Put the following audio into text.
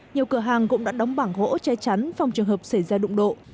nhiều cửa hàng cũng đã đóng bảng gỗ che chắn phòng trường hợp xảy ra đụng độ